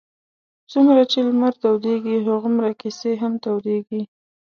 څومره چې لمر تودېږي هغومره کیسې هم تودېږي.